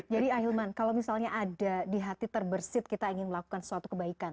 jadi ahil mad kalau misalnya ada di hati terbersih kita ingin melakukan suatu kebaikan